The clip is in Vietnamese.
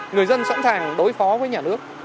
người dân sẵn sàng đối phó với nhà nước